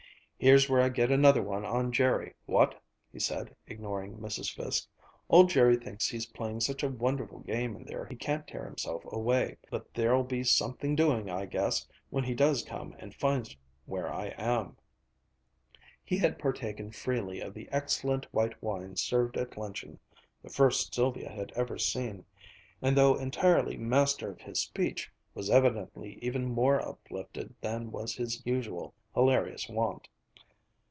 "Here's where I get another one on Jerry what?" he said, ignoring Mrs. Fiske. "Old Jerry thinks he's playing such a wonderful game in there he can't tear himself away but there'll be something doing, I guess, when he does come and finds where I am!" He had partaken freely of the excellent white wine served at luncheon (the first Sylvia had ever seen), and though entirely master of his speech, was evidently even more uplifted than was his usual hilarious wont.